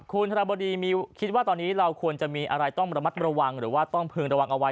คุณธนบดีคิดว่าตอนนี้เราควรจะมีอะไรต้องระมัดระวังหรือว่าต้องพึงระวังเอาไว้